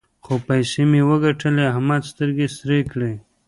څو پيسې مې وګټلې؛ احمد سترګې سرې کړې.